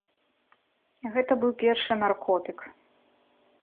Гэта быў першы наркотык.